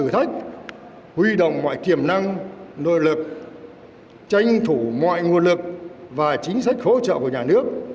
huy động mọi kiềm năng nội lực tranh thủ mọi nguồn lực và chính sách hỗ trợ của nhà nước